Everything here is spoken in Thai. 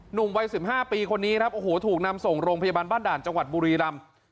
หนุ่มวัย๑๕ปีคนนี้ครับโอ้โหถูกนำส่งโรงพยาบาลบ้านด่านจังหวัดบุรีรำ